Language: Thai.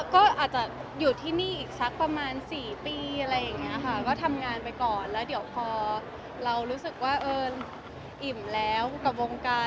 ก็อาจจะอยู่ที่นี่อีกสักประมาณ๔ปีอะไรอย่างนี้ค่ะก็ทำงานไปก่อนแล้วเดี๋ยวพอเรารู้สึกว่าเอออิ่มแล้วกับวงการ